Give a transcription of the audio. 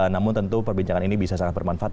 namun tentu perbincangan ini bisa sangat bermanfaat